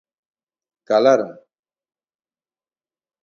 Calaron.